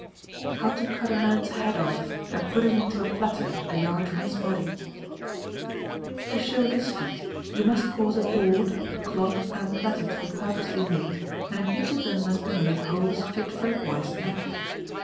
How to Cut a Man's Head Off, and Put It into a Platter, a Yard from His Body.—To show this feat, you must cause a board, a cloth, and a platter to be purposely made, and in each of them must be made holes fit for a boy's neck.